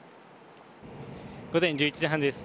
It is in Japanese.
午前１１時半です。